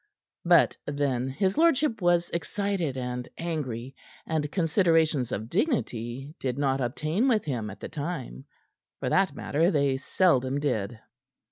But, then, his lordship was excited and angry, and considerations of dignity did not obtain with him at the time. For that matter, they seldom did.